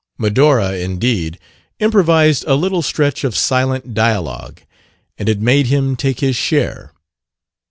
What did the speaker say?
Medora, indeed, improvised a little stretch of silent dialogue, and it made him take his share.